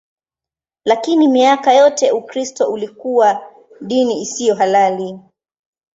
Lakini miaka yote Ukristo ulikuwa dini isiyo halali.